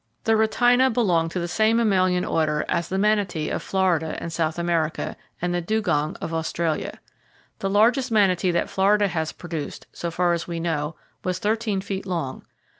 The rhytina belonged to the same mammalian Order as the manatee of Florida and South America, and the dugong of Australia. The largest manatee that Florida has produced, so far as we know, was thirteen feet long.